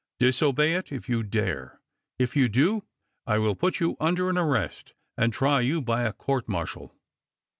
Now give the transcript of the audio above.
Disobey it, if you dare. If you do, I will put you under an arrest, and try you by a court martial."